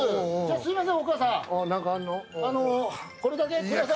すいません。